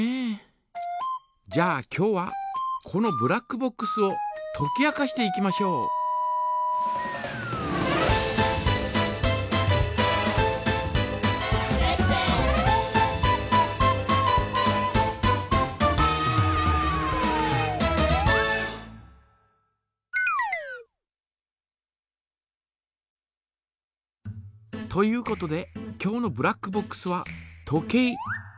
じゃあ今日はこのブラックボックスをとき明かしていきましょう。ということで今日のブラックボックスは時計。